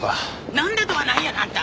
なんだとはなんやの？あんた！